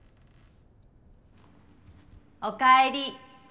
・おかえり。